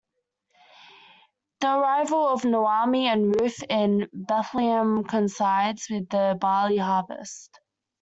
The arrival of Naomi and Ruth in Bethlehem coincides with the barley harvest.